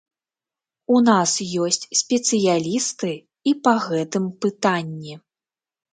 У нас ёсць спецыялісты і па гэтым пытанні.